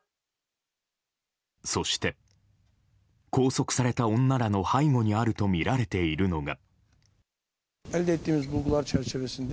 そして拘束された女らの背後にあるとみられているのが。